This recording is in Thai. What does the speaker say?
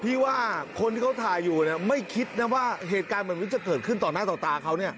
พี่ว่าคนที่เขาถ่ายอยู่เนี่ยไม่คิดนะว่าเหตุการณ์เหมือนมันจะเกิดขึ้นต่อหน้าต่อตาเขาเนี่ย